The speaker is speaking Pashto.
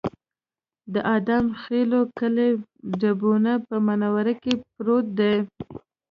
د ادم خېلو کلی ډبونه په منوره کې پروت دی